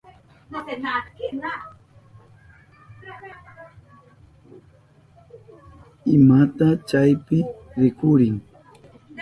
¿Imata chaypi rikurin?